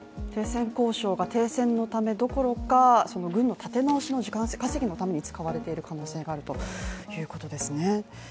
停戦交渉が、停戦のためどころか軍の立て直しの時間稼ぎのために使われている可能性があるということですね。